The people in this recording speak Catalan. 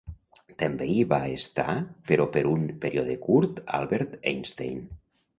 També hi va estar però per un període curt Albert Einstein.